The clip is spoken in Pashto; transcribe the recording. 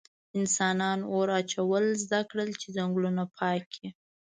انسانان اور اچول زده کړل چې ځنګلونه پاک کړي.